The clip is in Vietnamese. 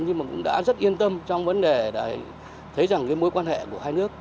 nhưng cũng đã rất yên tâm trong vấn đề để thấy rằng mối quan hệ của hai nước